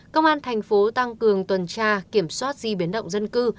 công an thành phố tăng cường tuần tra kiểm soát di biến động dân cư